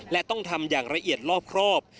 และต้องทำอย่างละเอียดรอบครอบ